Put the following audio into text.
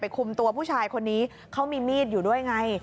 คุมตัวผู้ชายคนนี้เขามีมีดอยู่ด้วยไง